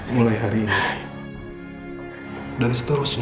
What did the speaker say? mulai hari ini dan seterusnya